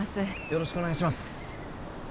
よろしくお願いします